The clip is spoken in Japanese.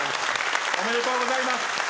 おめでとうございます。